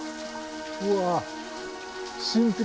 うわ。